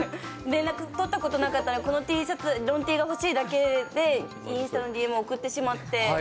連絡取ったことなかったら、このロンＴが欲しいだけで、インスタのＤＭを送ってしまって。